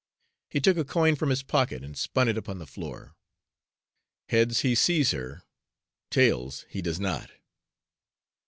He took a coin from his pocket and spun it upon the floor. "Heads, he sees her; tails, he does not."